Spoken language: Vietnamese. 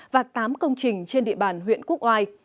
và tám công trình trên địa bàn huyện quốc oai